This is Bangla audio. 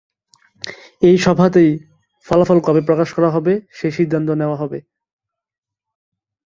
এই সভাতেই ফলাফল কবে প্রকাশ করা হবে, সেই সিদ্ধান্ত নেওয়া হবে।